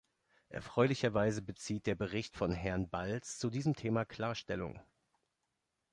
Erfreulicherweise bezieht der Bericht von Herrn Balz zu diesem Thema klar Stellung.